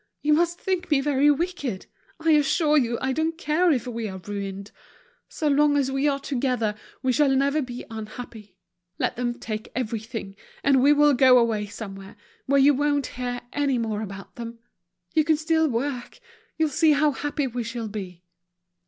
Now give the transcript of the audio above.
You must think me very wicked! I assure you, I don't care if we are ruined. So long as we are together, we shall never be unhappy. Let them take everything, and we will go away somewhere, where you won't hear any more about them. You can still work; you'll see how happy we shall be!"